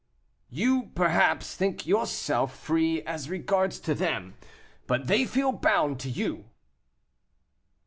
"You, perhaps, think yourself free as regards them, but they feel bound to you."